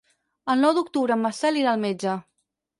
El nou d'octubre en Marcel irà al metge.